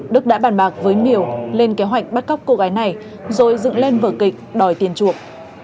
đức đã bàn bạc với miều lên kế hoạch bắt cóc cô gái này rồi dựng lên vở kịch đòi tiền chuộc